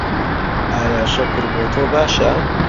ئایا شەکر بۆ تۆ باشە؟